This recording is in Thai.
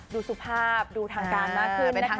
ดูสุภาพดูทางการมากขึ้นนะคะ